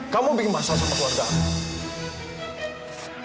kamu bikin masalah sama keluarga aku